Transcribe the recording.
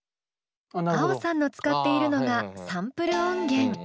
ａｏさんの使っているのがサンプル音源。